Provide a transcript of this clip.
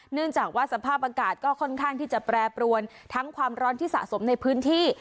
เนื่องจากว่าสภาพอากาศก็ค่อนข้างที่จะแปรปรวนทั้งความร้อนที่สะสมในพื้นที่